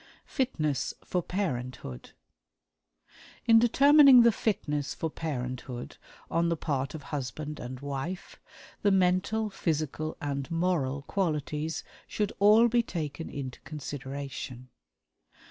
Fitness for Parenthood. In determining the "fitness" for parenthood, on the part of husband and wife, the mental, physical, and moral qualities should all be taken into consideration.